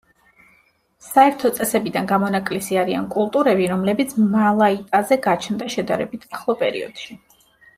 საერთო წესებიდან გამონაკლისი არიან კულტურები, რომლებიც მალაიტაზე გაჩნდა შედარებით ახლო პერიოდში.